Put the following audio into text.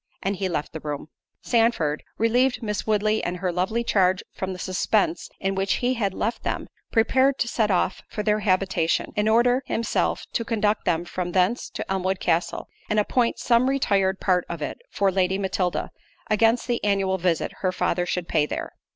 And he left the room. Sandford, to relieve Miss Woodley and her lovely charge from the suspence in which he had left them, prepared to set off for their habitation, in order himself to conduct them from thence to Elmwood Castle, and appoint some retired part of it for Lady Matilda, against the annual visit her father should pay there.